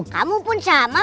kamu pun sama